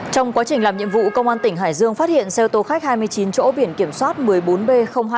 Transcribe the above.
trong quá trình làm nhiệm vụ công an tỉnh hải dương phát hiện xe ô tô khách hai mươi chín chỗ biển kiểm soát một mươi bốn b